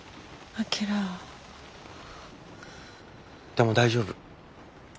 でも大丈夫。